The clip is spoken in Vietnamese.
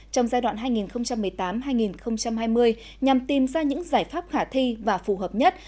trong giai đoạn hai nghìn một mươi tám hai nghìn hai mươi nhằm tìm ra những giải pháp khả thi và phù hợp nhất